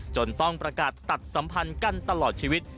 จนต้องประกาศตัดสัมพันธ์กันตลอดชีวิต